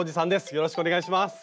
よろしくお願いします。